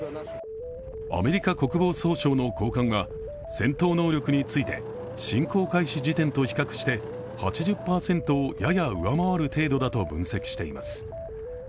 アメリカ国防総省の高官が戦闘能力について侵攻開始時点と比較して８０％をやや上回る程度だと分析しています。